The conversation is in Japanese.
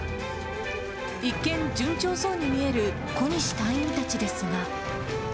一見、順調そうに見える小西隊員たちですが。